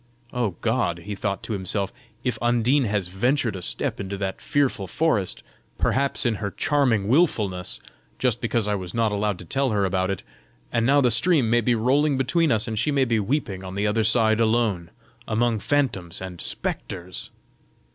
"Oh God!" he thought to himself, "if Undine has ventured a step into that fearful forest, perhaps in her charming wilfulness, just because I was not allowed to tell her about it; and now the stream may be rolling between us, and she may be weeping on the other side alone, among phantoms and spectres!"